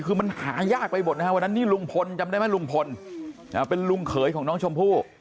คือมันหายากไปหมดนะฮะวันนั้นนี่ลุงพลจำได้ไหมลุงพลเป็นลุงเขยของน้องชมพู่